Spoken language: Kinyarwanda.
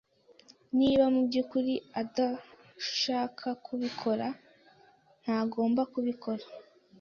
Niba mubyukuri adashaka kubikora, ntagomba kubikora.